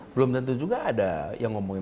belum tentu juga ada yang ngomongin